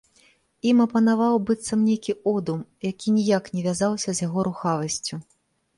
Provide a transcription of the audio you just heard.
Ім апанаваў быццам нейкі одум, які ніяк не вязаўся з яго рухавасцю.